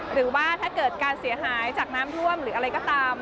หรือว่าถ้าเกิดการเสียหายจากน้ำท่วมหรืออะไรก็ตาม